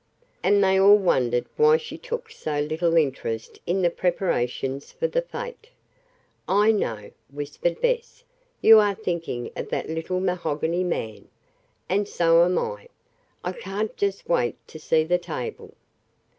And they all wondered why she took so little interest in the preparations for the fete. "I know," whispered Bess. "You are thinking of that little mahogany man. And so am I. I can't just wait to see the table."